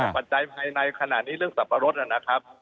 ปัจจัยภายในขณะนี้เรื่องสับปะรดนะครับ